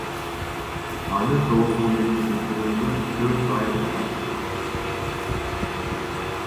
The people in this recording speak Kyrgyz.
Аны толугу менен бүтүрүүгө төрт ай убакыт кеткен.